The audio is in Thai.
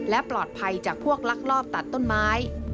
และปลอดภัยจากพวกลักลอบตัดต้นไม้